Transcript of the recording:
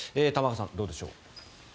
玉川さん、どうでしょう。